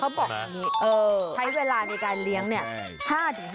ตอบมีความมาก